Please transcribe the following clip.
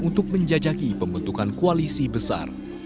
untuk menjajaki pembentukan koalisi besar